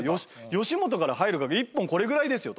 吉本から入る額１本これぐらいですよ」と。